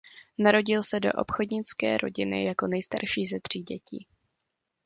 Narodil se do obchodnické rodiny jako nejstarší ze tří dětí.